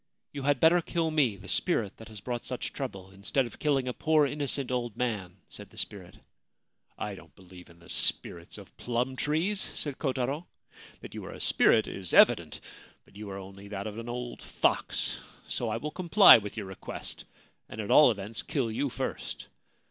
You had better kill me, the spirit that has brought such trouble, instead of killing a poor innocent old man,' said the spirit. c I don't believe in the spirits of plum trees,' said Kotaro. ' That you are a spirit is evident ; but you are only that of an old fox. So I will comply with your request, and at all events kill you first.'